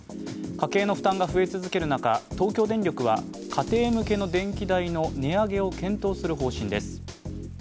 家計の負担が増え続ける中、東京電力は、家庭向けの電気代の値上げを検討する方針です。